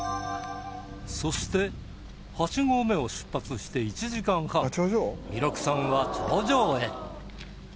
そして８合目を出発して１時間半弥勒さんは頂上へ